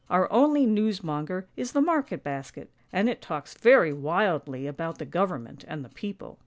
Our only newsmonger is the market basket, and it talks very wildly about the Government and the People.